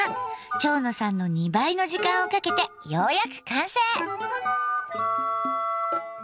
蝶野さんの２倍の時間をかけてようやく完成！